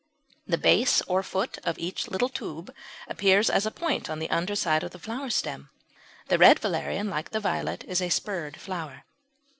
The base or foot of each little tube appears as a point on the under side of the flower stem; the Red Valerian, like the Violet, is a spurred flower.